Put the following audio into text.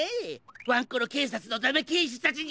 ワンコロけいさつのだめけいじたちにかわって。